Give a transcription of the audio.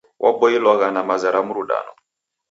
Waboilwagha na maza ra mrudano.